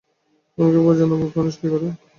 আমি কীভাবে জানবো মানুষ কী করে?